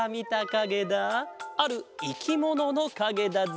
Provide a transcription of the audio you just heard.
あるいきもののかげだぞ。